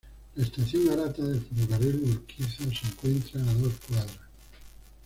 La estación Arata del ferrocarril Urquiza se encuentra a dos cuadras.